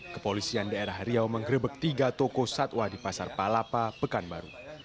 kepolisian daerah riau menggrebek tiga toko satwa di pasar palapa pekanbaru